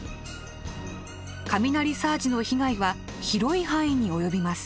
雷サージの被害は広い範囲に及びます。